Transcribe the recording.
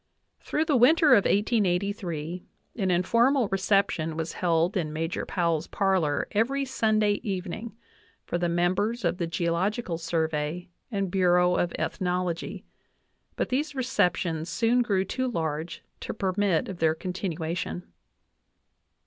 Through the winter of 1883 an informal reception was held in Major Powell's parlor every Sunday evening for the members of the Geological Sur vey and Bureau of Ethnology, but these receptions soon grew toojarge to permit of their continuation.